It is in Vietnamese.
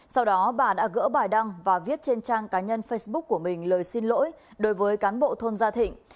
sau đó bà đã gỡ bài đăng và viết trên trang cá nhân facebook của mình lời xin lỗi đối với cán bộ thôn gia thịnh